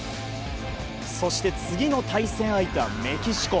そして、次の対戦相手はメキシコ。